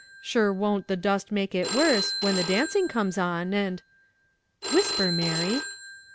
sure won't the dust make it worse, when the dancing comes on, and " "Whisper, Mary."